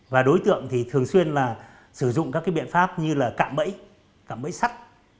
và đối tượng thì thường xuyên là sử dụng các biện pháp như là cạm bẫy cạm bẫy sắt